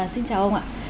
xin chào ông ạ